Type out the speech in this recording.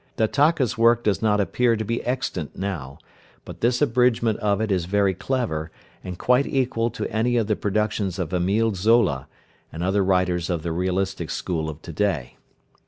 Dattaka's work does not appear to be extant now, but this abridgement of it is very clever, and quite equal to any of the productions of Emile Zola, and other writers of the realistic school of to day.